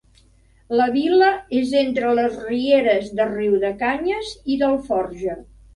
La vila és entre les rieres de Riudecanyes i d'Alforja.